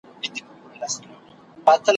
چي نه شوروي د پاولیو نه شرنګی د غاړګیو `